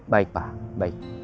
baik pak baik